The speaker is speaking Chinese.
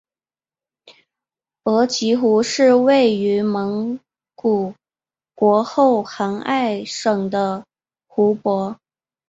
额吉湖是位于蒙古国后杭爱省的湖泊。